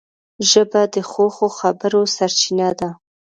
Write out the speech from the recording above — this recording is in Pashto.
ژبه د ښو ښو خبرو سرچینه ده